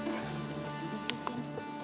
ya udah gede sih sih